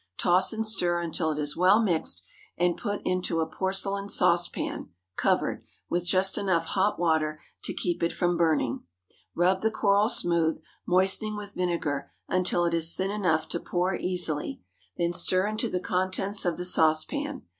Toss and stir until it is well mixed, and put into a porcelain saucepan (covered), with just enough hot water to keep it from burning. Rub the coral smooth, moistening with vinegar until it is thin enough to pour easily, then stir into the contents of the saucepan.